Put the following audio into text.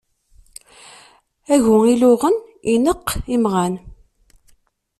Agu iluɣen ineqq imɣan.